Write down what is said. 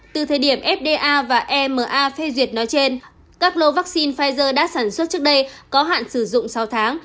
từ thời điểm fda và ema phê duyệt nói trên các lô vaccine pfizer đã sản xuất trước đây có hạn sử dụng sáu tháng